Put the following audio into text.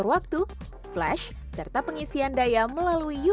sebelum dipotong undang undang dayanya lagi